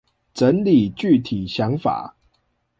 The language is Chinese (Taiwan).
整理具體想法